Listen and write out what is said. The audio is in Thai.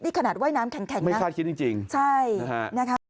นี่ขนาดว่ายน้ำแข็งนะครับไม่คาดคิดจริงใช่นะครับ